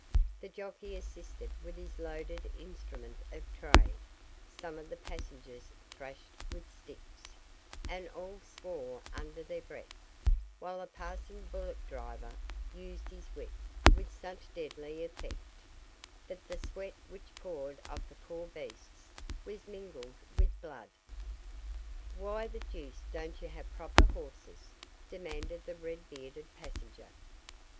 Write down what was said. The jockey assisted with his loaded instrument of trade, some of the passengers thrashed with sticks, and all swore under their breath, while a passing bullock driver used his whip with such deadly effect, that the sweat which poured off the poor beasts was mingled with blood. "Why the deuce don't you have proper horses?" demanded the red bearded passenger.